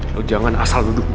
lo jangan asal duduk pak